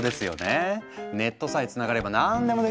ネットさえつながれば何でもできちゃうんだから。